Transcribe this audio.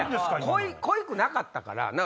濃いくなかったから。